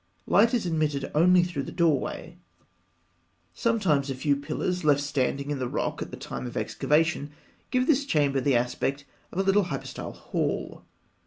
Light is admitted only through the doorway. Sometimes a few pillars, left standing in the rock at the time of excavation, give this chamber the aspect of a little hypostyle hall.